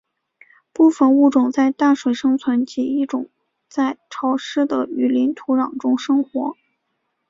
部分物种在淡水生存及一种在潮湿的雨林土壤中生活。